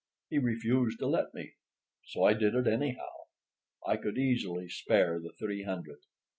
He refused to let me, so I did it anyhow. I could easily spare the three hundred.